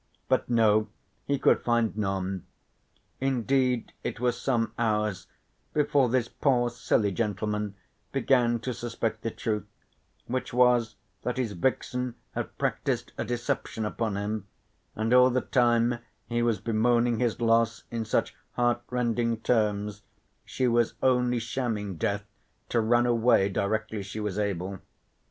But no, he could find none. Indeed it was some hours before this poor silly gentleman began to suspect the truth, which was that his vixen had practised a deception upon him, and all the time he was bemoaning his loss in such heartrending terms, she was only shamming death to run away directly she was able.